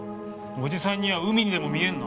おじさんには海にでも見えるの？